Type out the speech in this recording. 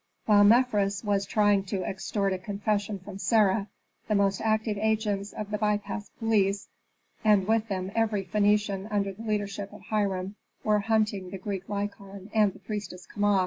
While Mefres was trying to extort a confession from Sarah, the most active agents of the Pi Bast police, and with them every Phœnician under the leadership of Hiram, were hunting the Greek Lykon and the priestess Kama.